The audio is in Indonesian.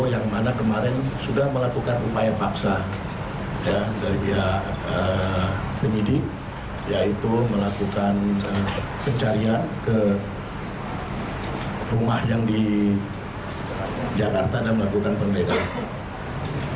yang mana kemarin sudah melakukan upaya paksa dari pihak penyidik yaitu melakukan pencarian ke rumah yang di jakarta dan melakukan penggeledahan